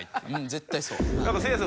絶対そう。